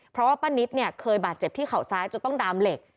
เพราะว่าป้านิตเนี่ยเคยบาดเจ็บที่เข่าซ้ายจนต้องดามเหล็ก